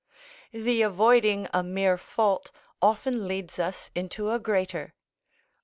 ["The avoiding a mere fault often leads us into a greater."